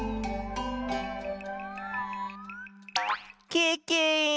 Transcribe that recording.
ケケ！